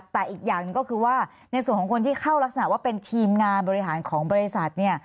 แต่อีกอย่างหนึ่งก็คือว่าในส่วนของคนที่เข้ารักษณะว่าเป็นทีมงานบริหารของบริษัทเนี่ย